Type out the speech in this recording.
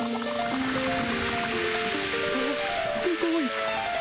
あっすごい。